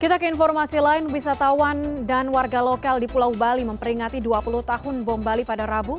kita ke informasi lain wisatawan dan warga lokal di pulau bali memperingati dua puluh tahun bom bali pada rabu